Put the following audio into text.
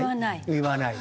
言わない。